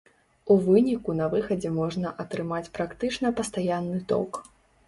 У выніку на выхадзе можна атрымаць практычна пастаянны ток.